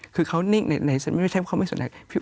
คือเขานิ่งในฉันไม่ใช่ว่าเขาไม่สนใจ